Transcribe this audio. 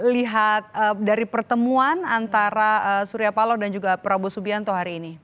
lihat dari pertemuan antara surya paloh dan juga prabowo subianto hari ini